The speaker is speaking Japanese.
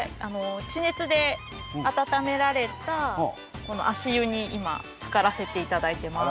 地熱で温められたこの足湯に今つからせていただいてます。